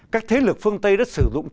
các thế lực phương tây đã sử dụng